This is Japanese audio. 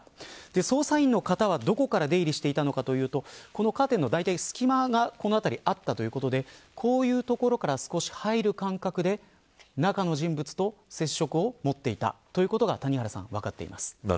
捜査員の方はどこから出入りしていたのかというとカーテンの隙間がこの辺りにあったということでこういう所から、少し入る感覚で中の人物と接触をもっていたということが分かっています。